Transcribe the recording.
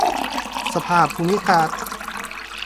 สภาพภูมิอากาศ